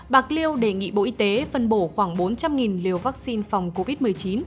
bạc liêu đề nghị bộ y tế phân bổ khoảng bốn trăm linh liều vaccine phòng covid một mươi chín